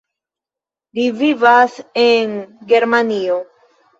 Li vivas en Germanio.